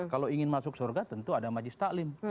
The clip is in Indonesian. kalau ingin masuk surga tentu ada majlis ta'lim